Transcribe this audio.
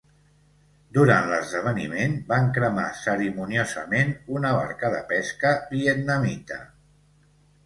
Durant l'esdeveniment, van cremar cerimoniosament una barca de pesca vietnamita.